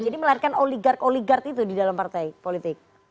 jadi melihatkan oligark oligark itu di dalam partai politik